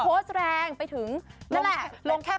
โพสต์แรงไปถึงนั่นแหละลงแค่